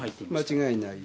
間違いない？